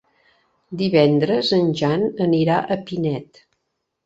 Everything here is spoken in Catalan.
Divendres en Jan anirà a Pinet.